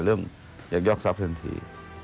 เรื่องยักยอกทรัพย์เพิ่มที